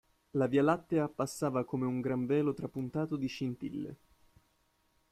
La via lattea passava come un gran velo trapuntato di scintille.